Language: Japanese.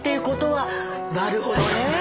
なるほどね。